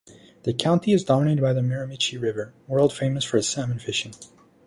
The county is dominated by the Miramichi River, world famous for its salmon fishing.